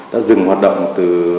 đã dừng hoạt động từ